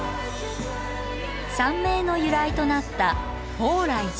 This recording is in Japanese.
山名の由来となった鳳来寺。